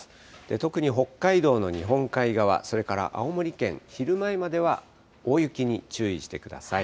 特に北海道の日本海側、それから青森県、昼前までは、大雪に注意してください。